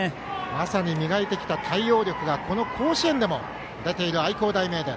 まさに磨いてきた対応力がこの甲子園でも出ている愛工大名電。